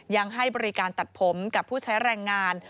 ยังให้บริการตัดผมกับผู้ใช้แรงงาน